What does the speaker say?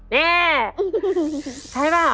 นี่ใช่มั้ย